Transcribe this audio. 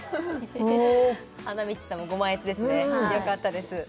花道さんもご満悦ですねよかったです